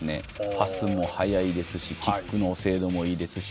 パスも速いですしキックの精度もいいですし。